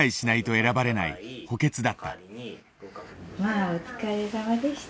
まあお疲れさまでした。